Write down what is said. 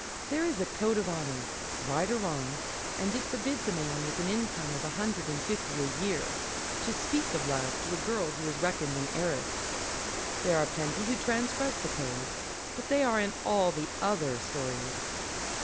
There is a code of honour, right or wrong, and it forbids a man with an income of a hundred and fifty a year to speak of love to a girl who is reckoned an heiress. There are plenty who transgress the code, but they are in all the other stories.